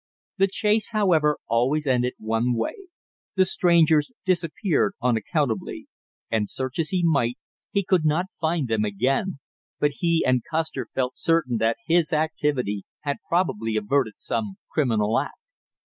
The chase, however, always ended one way the strangers disappeared unaccountably, and, search as he might, he could not find them again, but he and Custer felt certain that his activity had probably averted some criminal act.